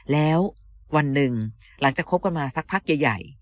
แล้ววันหนึ่งหลังจากคบกันมาสักพักใหญ่